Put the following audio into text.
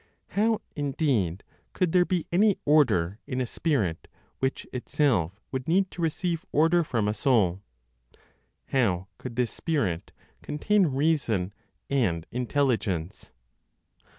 How, indeed, could there be any order in a spirit which itself would need to receive order from a soul? How could this spirit contain reason and intelligence?